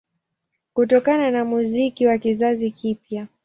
Kutokana na muziki wa kizazi kipya